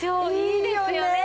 いいですよね！